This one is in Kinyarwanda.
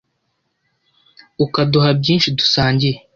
ukaduha byinshi dusangiye